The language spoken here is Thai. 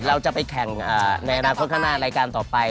เราจะไปแข่งในอนาคตข้างหน้ารายการต่อไป